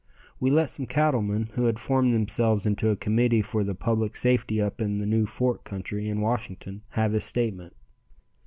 We let some cattlemen who had formed themselves into a committee for the public safety up in the New Fork country, in Wyoming, have his statement.